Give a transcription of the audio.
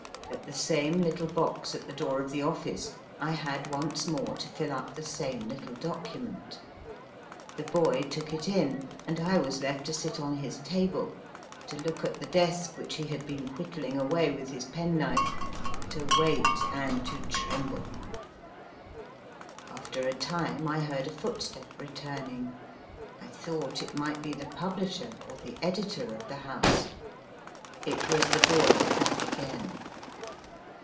At the same little box at the door of the office I had once more to fill up the same little document. The boy took it in, and I was left to sit on his table, to look at the desk which he had been whittling away with his penknife, to wait and to tremble. After a time I heard a footstep returning. I thought it might be the pub lisher or the editor of the house. It was the boy back again.